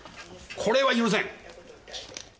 これは許せん！